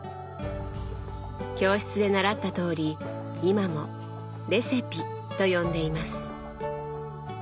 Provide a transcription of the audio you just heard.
教室で習ったとおり今も「レセピ」と呼んでいます。